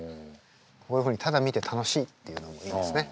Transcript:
こういうふうにただ見て楽しいっていうのもいいですね。